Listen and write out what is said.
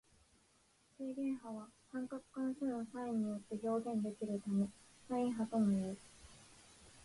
正弦波は三角関数のサインによって表現できるためサイン波ともいう。